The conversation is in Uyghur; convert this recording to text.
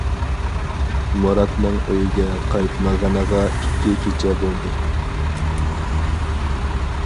مۇراتنىڭ ئۆيگە قايتمىغىنىغا ئىككى كېچە بولدى.